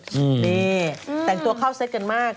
นี่แต่งตัวเข้าเซ็ตกันมาก